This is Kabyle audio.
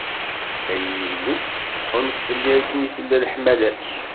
Ay Illu! Ḥunn fell-i akken i tella leḥmala-k.